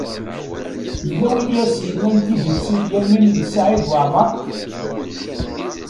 Yella win i as-yennan tidet i Lyamin n Saɛid Waɛmeṛ.